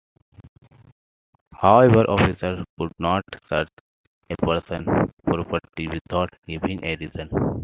However, officers could not search a person's property without giving a reason.